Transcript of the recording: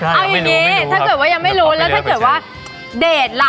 เอาอย่างนี้ถ้าเกิดว่ายังไม่รู้แล้วถ้าเกิดว่าเดทล่ะ